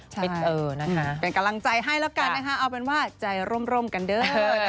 เออนะคะเป็นกำลังใจให้แล้วกันนะคะเอาเป็นว่าใจร่มกันเด้อ